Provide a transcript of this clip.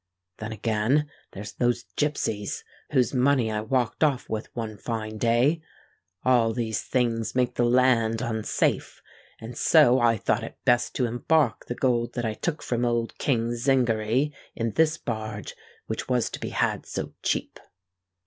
Then again, there's those gipsies whose money I walked off with one fine day. All these things made the land unsafe; and so I thought it best to embark the gold that I took from old King Zingary, in this barge, which was to be had so cheap."